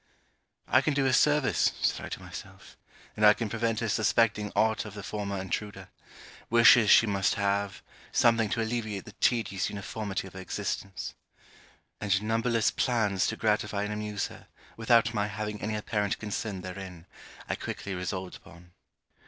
'I can do her service,' said I to myself; 'and I can prevent her suspecting aught of the former intruder. Wishes she must have; something to alleviate the tedious uniformity of her existence.' And numberless plans to gratify and amuse her, without my having any apparent concern therein, I quickly resolved upon.